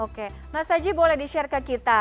oke mas aji boleh di share ke kita